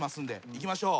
いきましょう。